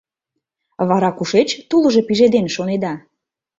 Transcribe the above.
Вара кушеч тулжо пижеден, шонеда?